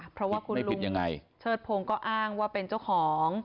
เพราะว่าคุณเชิดพงศ์ก็อ้างว่าเป็นเจ้าของ